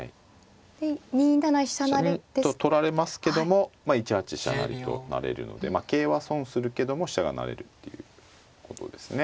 で２七飛車。と取られますけども１八飛車成と成れるので桂は損するけども飛車が成れるっていうことですね。